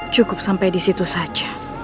cukup sampai disitu saja